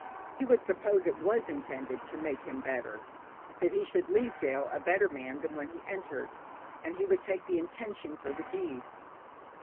He would suppose it was intended to make him better, that he should leave gaol a better man than when he entered, and he would take the intention for the deed.